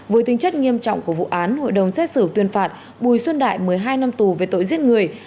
với tính chất nghiêm trọng của vụ án hội đồng xét xử tuyên phạt bùi xuân đại một mươi hai năm tù về tội giết người